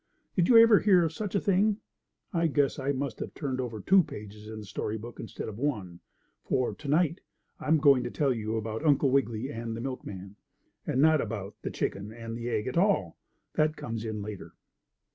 Did you ever hear of such a thing? I guess I must have turned over two pages in the story book instead of one, for to night I'm going to tell you about Uncle Wiggily and the milkman, and not about the chicken and the egg at all. That comes in later.